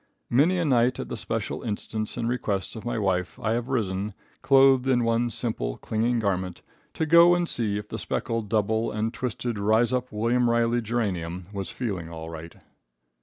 Many a night at the special instance and request of my wife I have risen, clothed in one simple, clinging garment, to go and see if the speckled, double and twisted Rise up William Riley geranium was feeling all right.